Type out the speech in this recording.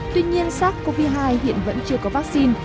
tuy nhiên sars cov hai hiện vẫn chưa có vaccine